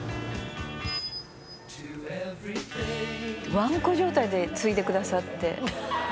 わんこ状態でついでくださって。